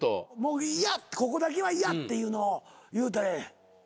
ここだけは嫌っていうのを言うたれ。